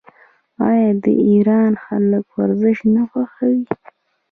آیا د ایران خلک ورزش نه خوښوي؟